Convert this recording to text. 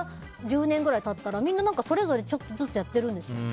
１０年くらい経ったらみんなそれぞれちょっとずつやってるんですよ。